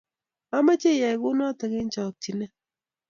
Amache iyai kunoto eng chokchinet